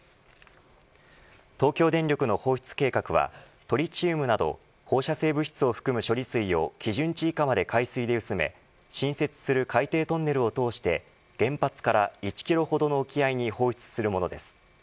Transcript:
東京電力の放出計画はトリチウムなど放射性物質を含む処理水を基準値以下まで海水で薄め新設する海底トンネルを通して原発から１キロほどの沖合に放出するものです。